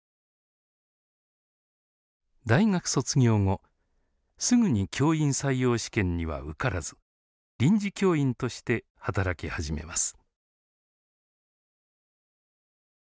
大学卒業後すぐに教員採用試験には受からず臨時教員として働き始めます。